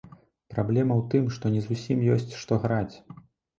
Праблема ў тым, што не зусім ёсць што граць.